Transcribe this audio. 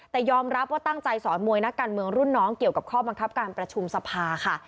แต่ยอมรับว่าตั้งใจสอนมวยนักการเมืองรุ่นน้องเกี่ยวกับข้อบังคับการประชุมสภาค่ะ